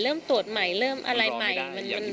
เริ่มตรวจใหม่เริ่มอะไรใหม่